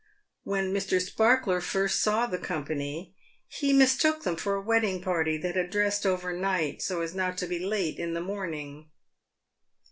When Mr. Sparkler first saw the company, he mistook them for a wedding party that had dressed overnight so as not to be late in the morning.